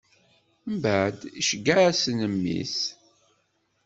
Mbeɛd, iceggeɛ-asen mmi-s.